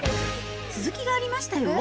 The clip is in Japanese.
続きがありましたよ。